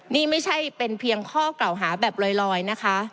นี่ไม่ใช่เป็นเพียงข้อกล่าวหาแบบลอยนะคะ